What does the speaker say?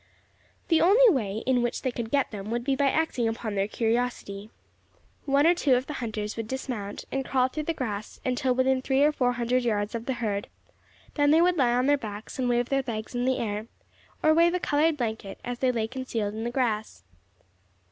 The only way in which they could get them would be by acting upon their curiosity. One or two of the hunters would dismount, and crawl through the grass until within three or four hundred yards of the herd; then they would lie on their backs and wave their legs in the air, or wave a coloured blanket, as they lay concealed in the grass.